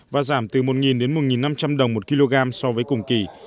và giảm từ một đến một năm trăm linh đồng một kg so với cùng kỳ